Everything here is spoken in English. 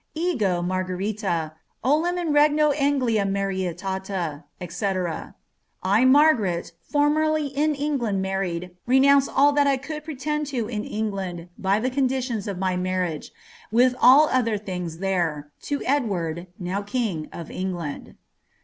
^ Elgo Margarita, olim in regno Anglia ma inta,'* &c. " 1, Mai^;aret, formerly in England married, renounce nil Qtat I eould pretend to in England by the conditions of my marriage, with all other things there, to Edward, now king of England."'